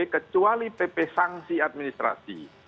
kecuali pp sanksi administrasi